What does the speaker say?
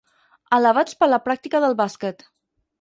Elevats per la pràctica del bàsquet.